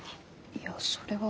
いやそれは。